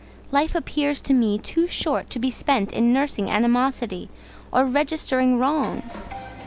Life appears to me too short to be spent in nursing animosity or registering wrongs.